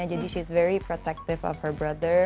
jadi dia sangat melindungi adiknya